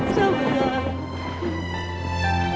jangan lakuin ini kalim